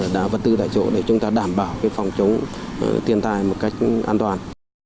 đảm bảo vật tư tại chỗ để chúng ta đảm bảo phòng chống thiên tai một cách an toàn